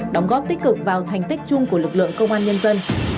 đóng góp tích cực vào thành tích chung của lực lượng công an nhân dân